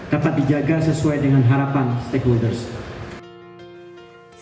dapat dijaga sesuai dengan harapan stakeholders